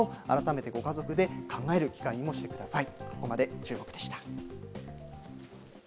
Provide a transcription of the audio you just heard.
命を飼うというその責任の重さを改めてご家族で考える機会にもしてください。